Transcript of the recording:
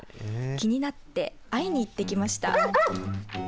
気になって会いに行ってきました。